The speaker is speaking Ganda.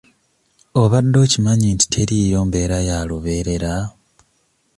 Obadde okimanyi nti teriiyo mbeera ya lubeerera?